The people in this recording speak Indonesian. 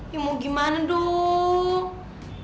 ya mau gimana duk